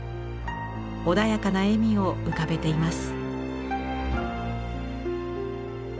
穏やかな笑みを浮かべています。